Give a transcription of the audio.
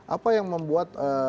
apa yang membuat